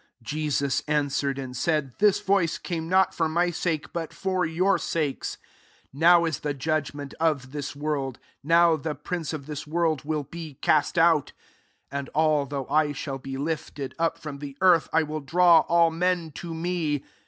30 Jesus answered and said, " This voice came not fitfray sake, but for your sakes. SI Now isthe judgment of [this] •world :• now the prince of this world will be cast out.f 32 And although \ I shall be lifted up from the earth, I will draw all men to me."